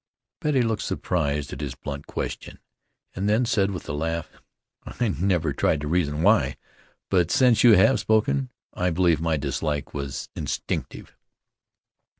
Betty looked surprised at his blunt question, and then said with a laugh: "I never tried to reason why; but since you have spoken I believe my dislike was instinctive."